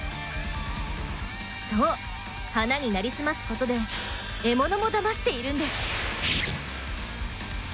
そう花になりすますことで獲物もだましているんです。